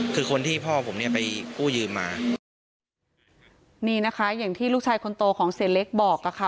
คือคนที่พ่อผมเนี่ยไปกู้ยืมมานี่นะคะอย่างที่ลูกชายคนโตของเสียเล็กบอกอ่ะค่ะ